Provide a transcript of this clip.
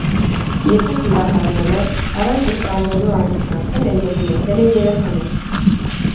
Եթե սիրահարվել է, առանց տստանվելու ամուսնացել է և ունեցել է երեխաներ։